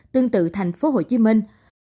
tương tự thành phố hồ chí minh